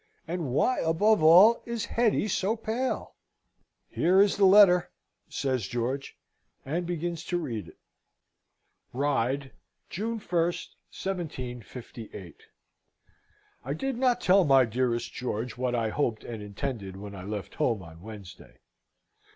And why, above all, is Hetty so pale? "Here is the letter," says George, and begins to read it: "RYDE, June 1, 1758. "I did not tell my dearest George what I hoped and intended, when I left home on Wednesday.